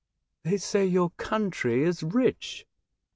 *' They say your country is rich.